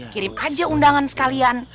kirim aja undangan sekalian